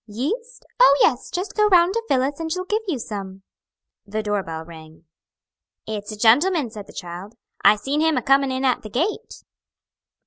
"Yeast? Oh, yes, just go round to Phillis, and she'll give you some." The door bell rang. "It's a gentleman," said the child, "I seen him a coming in at the gate."